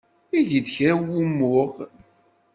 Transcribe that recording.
Eg-d kra n wumuɣ.